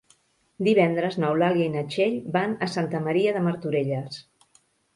Divendres n'Eulàlia i na Txell van a Santa Maria de Martorelles.